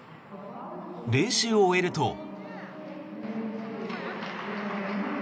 練習を終えると。